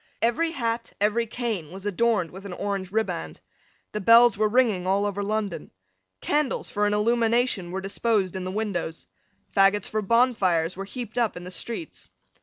Every hat, every cane, was adorned with an orange riband. The bells were ringing all over London. Candles for an illumination were disposed in the windows. Faggots for bonfires were heaped up in the streets.